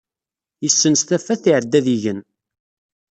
Yessens tafat, iɛedda ad igen.